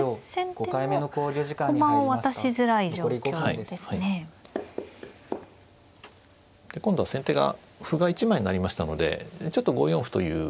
で今度は先手が歩が１枚になりましたのでちょっと５四歩という攻めが。